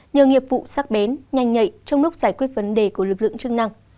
nhờ nghiệp vụ sắc bén nhanh nhạy trong lúc giải quyết vấn đề của lực lượng chức năng